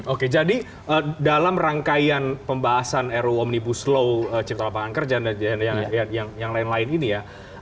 oke jadi dalam rangkaian pembahasan ruu omnibus law cipta lapangan kerja dan yang lain lain ini ya